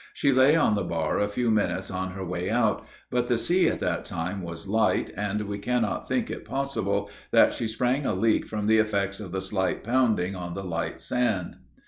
She lay on the bar a few minutes on her way out, but the sea at that time was light, and we cannot think it possible that she sprang a leak from the effects of the slight pounding on the light sand.